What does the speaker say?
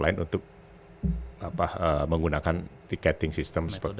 selain untuk menggunakan ticketing system seperti kita